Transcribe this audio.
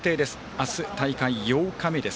明日、大会８日目です。